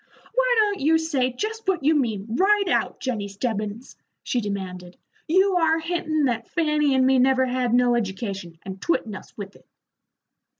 "Why don't you say jest what you mean, right out, Jennie Stebbins?" she demanded. "You are hintin' that Fanny and me never had no education, and twittin' us with it."